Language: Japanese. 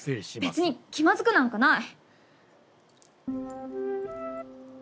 別に気まずくなんかない！